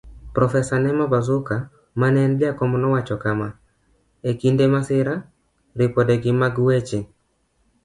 Profesa Nema Bazuka maneen jakom nowacho kama:E kinde masira, Ripode Gi mag weche.